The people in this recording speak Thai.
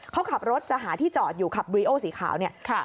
เขาขับรถจะหาที่จอดอยู่ขับบรีโอสีขาวเนี่ย